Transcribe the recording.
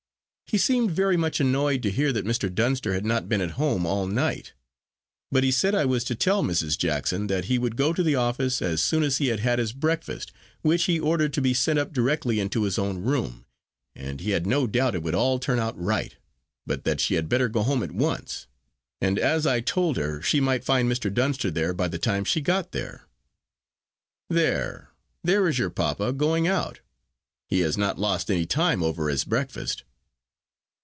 He seemed very much annoyed to hear that Mr. Dunster had not been at home all night; but he said I was to tell Mrs. Jackson that he would go to the office as soon as he had had his breakfast, which he ordered to be sent up directly into his own room, and he had no doubt it would all turn out right, but that she had better go home at once. And, as I told her, she might find Mr. Dunster there by the time she got there. There, there is your papa going out! He has not lost any time over his breakfast!"